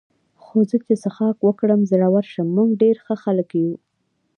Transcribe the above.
خو زه چې څښاک وکړم ډېر زړور شم، موږ ډېر ښه خلک یو.